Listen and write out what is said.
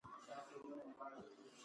هر انسان له بل سره برابر ذاتي ارزښت لري.